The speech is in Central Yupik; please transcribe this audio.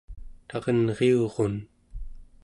tarenriurun